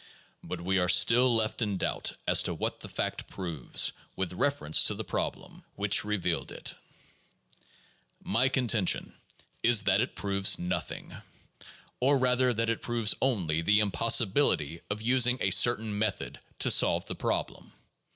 But we are still left in doubt as to what the fact proves with reference to the problem 8 THE JOURNAL OF PHILOSOPHY which revealed it. My contention is that it proves nothing; or rather that it proves only the impossibility of using a certain method to solve the problem.